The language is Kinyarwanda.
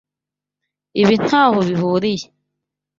Ibi ntaho bihuriye.